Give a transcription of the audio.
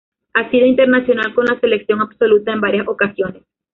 Ha sido internacional con la selección absoluta en varias ocasiones.